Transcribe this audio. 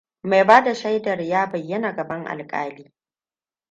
Mai bada shaidar ya bayyana gaban alkali.